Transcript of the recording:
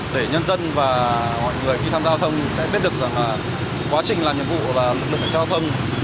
để nhân dân và mọi người khi tham gia giao thông sẽ biết được rằng là quá trình làm nhiệm vụ và lực lượng giao thông